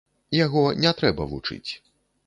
Яго не трэба вучыць.